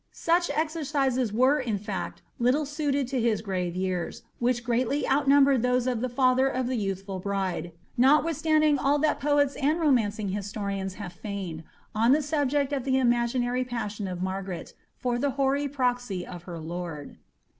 Such exercises were, in fact, little suited to his grave years, which greatly outnumbered Uiose of the father of the youthful bride, notwith standing all that poets and romancinsr historians have feigned, on the subject of the imaginary passion of Margaret, for the hoary proxy of her lord.